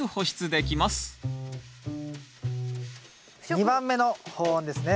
２番目の保温ですね。